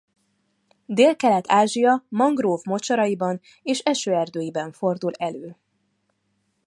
Délkelet-Ázsia mangrove mocsaraiban és esőerdeiben fordul elő.